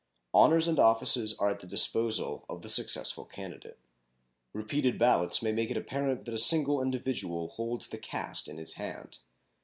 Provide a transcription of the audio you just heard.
Honors and offices are at the disposal of the successful candidate. Repeated ballotings may make it apparent that a single individual holds the cast in his hand.